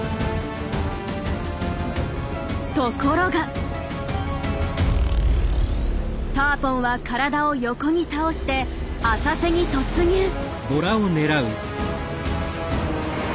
ところがターポンは体を横に倒して浅瀬に突入。